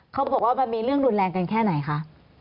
เขาบอกว่ามันมีเรื่องรุนแรงกันแค่ไหนคะ